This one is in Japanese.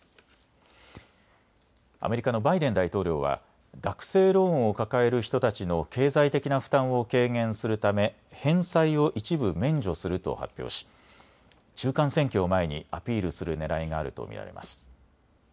アメリカのバイデン大統領は学生ローンを抱える人たちの経済的な負担を軽減するため返済を一部免除すると発表し中間選挙を前にアピールするねらいがあると見られます。